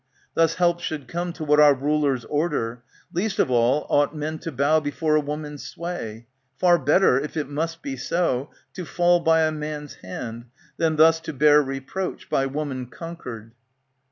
Thus help should come To what our rulers order ; least of all Ought men to bow before a woman's sway. Far better, if it must be so, to fall By a man's hand, than thus to bear reproach, By woman conquered.